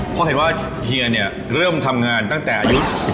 เพราะเห็นว่าเฮียเนี่ยเริ่มทำงานตั้งแต่อายุ๑๓